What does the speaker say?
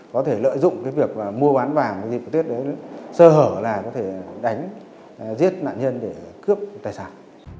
có thể lợi dụng cái việc mua bán vàng cái gì cũng tiết đấy sơ hở là có thể đánh giết nạn nhân để cướp tài sản